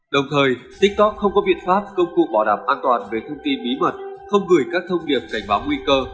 đồng thời tiktok không có biện pháp công cụ bảo đảm an toàn về thông tin bí mật không gửi các thông điệp cảnh báo nguy cơ